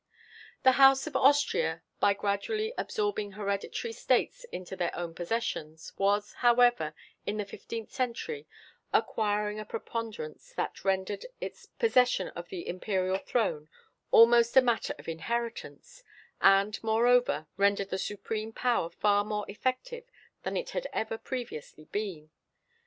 The House of Austria, by gradually absorbing hereditary states into its own possessions, was, however, in the fifteenth century, acquiring a preponderance that rendered its possession of the imperial throne almost a matter of inheritance, and moreover rendered the supreme power far more effective than it had ever previously been.